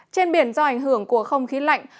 trên biển do ảnh hưởng của không khí lạnh